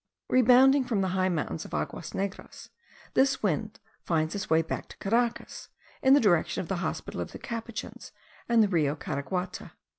Rebounding from the high mountains of Aguas Negras, this wind finds its way back to Caracas, in the direction of the hospital of the Capuchins and the Rio Caraguata.